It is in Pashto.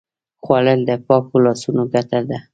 خوړل د پاکو لاسونو ګټه ده